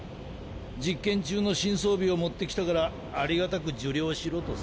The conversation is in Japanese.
実験中の新装備を持ってきたからありがたく受領しろとさ。